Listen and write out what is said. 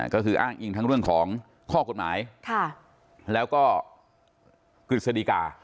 ก็คืออ้างอิงทั้งเรื่องของข้อกฎหมายแล้วก็กฤษฎิกา